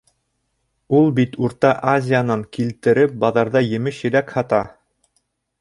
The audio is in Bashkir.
Ул бит Урта Азиянан килтереп баҙарҙа емеш-еләк һата.